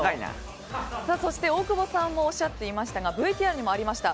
そして、大久保さんもおっしゃっていましたがＶＴＲにもありました